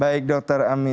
baik dokter ami